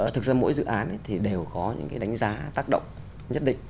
thực ra mỗi dự án thì đều có những cái đánh giá tác động nhất định